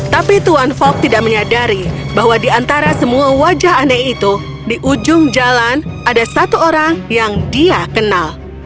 tapi tuan fok tidak menyadari bahwa di antara semua wajah aneh itu di ujung jalan ada satu orang yang dia kenal